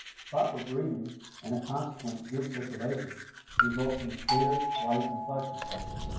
Proper breathing, and a consequent good circulation, results in a clear, bright complexion.